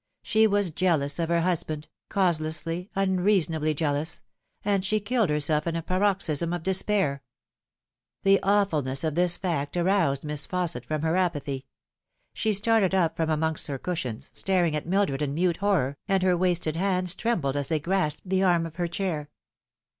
She was jealous of her husband cause lessly, unreasonably jealous and she killed herself in a paroxysm of despair !" The awfulness of this fact aroused Miss Fausset from her apathy. She started up from amongst her cushions, staring at Mildred in mute horror, and her wasted hands trembled as they grasped the arm of her chair.